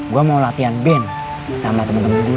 gue mau latihan band sama temen temen dulu